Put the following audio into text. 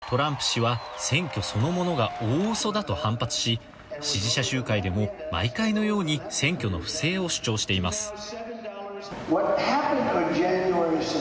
しかし、トランプ氏は選挙そのものが大嘘だと反発し、支持者集会でも、毎回のように選挙の不正を主張しています。